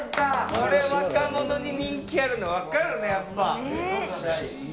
これ、若者に人気あるの分かるね、やっぱ。